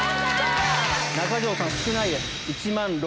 中条さん少ないです。